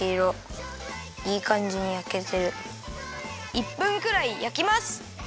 １分くらいやきます。